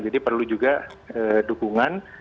jadi perlu juga dukungan